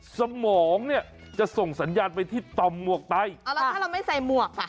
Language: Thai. สมองเนี่ยจะส่งสัญญาณไปที่ต่อมหมวกไตอ๋อแล้วถ้าเราไม่ใส่หมวกอ่ะ